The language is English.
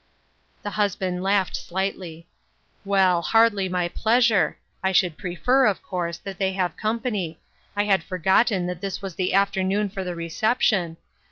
The husband laughed slightly. " Well, hardly my pleasure ; I should prefer, of course, that they have company. I had forgotten that this was the afternoon for the reception.